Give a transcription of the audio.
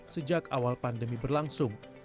sejak awal pandemi berlangsung